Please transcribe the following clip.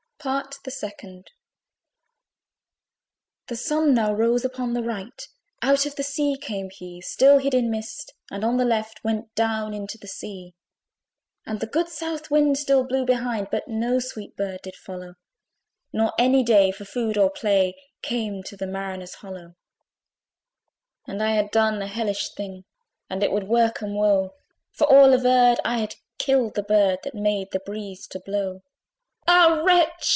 PART THE SECOND. The Sun now rose upon the right: Out of the sea came he, Still hid in mist, and on the left Went down into the sea. And the good south wind still blew behind But no sweet bird did follow, Nor any day for food or play Came to the mariners' hollo! And I had done an hellish thing, And it would work 'em woe: For all averred, I had killed the bird That made the breeze to blow. Ah wretch!